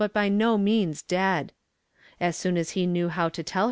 by no means dead. As soon ,« he k„c,v ho^; to tell he.